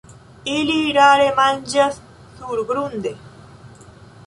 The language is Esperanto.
Ili rare manĝas surgrunde.